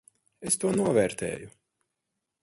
Es to novērtēju.